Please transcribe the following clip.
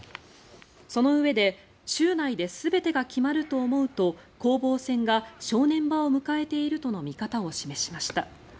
そのうえで週内で全てが決まると思うと攻防戦が正念場を迎えているとの見方を示しました。